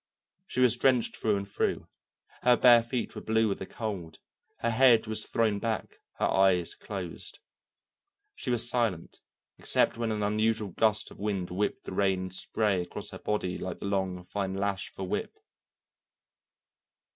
She was drenched through and through, her bare feet were blue with the cold, her head was thrown back, her eyes closed. She was silent except when an unusual gust of wind whipped the rain and spray across her body like the long, fine lash of a whip.